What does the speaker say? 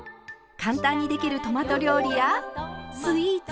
簡単にできるトマト料理やスイーツ。